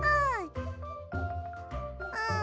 うん。